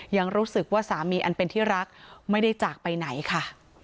ยังรู้สึกว่าสามีอันเป็นที่รักไม่ได้จากไปไหนค่ะ